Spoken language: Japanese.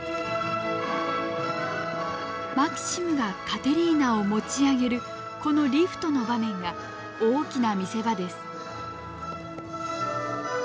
マキシムがカテリーナを持ち上げるこのリフトの場面が大きな見せ場です。